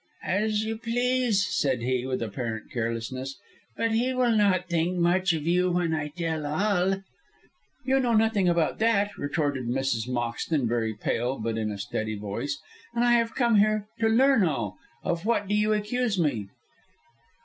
"As you please," said he, with apparent carelessness, "but he will not think much of you when I tell all." "You know nothing about that," retorted Mrs. Moxton, very pale, but in a steady voice, "and I have come here to learn all. Of what do you accuse me?"